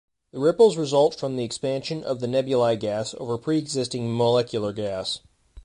The ripples result from the expansion of the nebulae gas over pre-existing molecular gas.